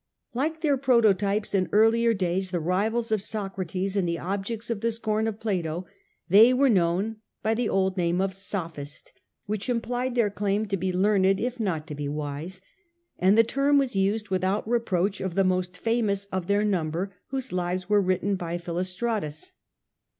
Like their prototypes in earlier days, the rivals of Socrates and the objects of the scom of Plato, they were known by the old name of Sophist, which implied their claim to be learned if not to be wise, and the term was used without reproach of the most famous of their number, whose lives were written by Philostratus.